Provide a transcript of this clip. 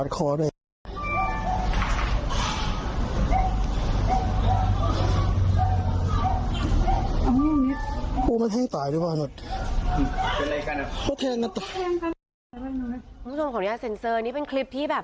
คุณผู้ชมขออนุญาตเซ็นเซอร์นี่เป็นคลิปที่แบบ